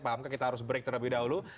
paham kak kita harus break terlebih dahulu